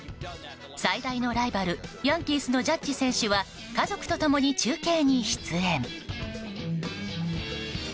最大のライバルヤンキースのジャッジ選手は家族と共に中継に出演。